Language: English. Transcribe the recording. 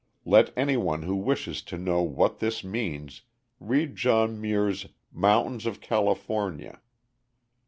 Let any one who wishes to know what this means read John Muir's Mountains of California.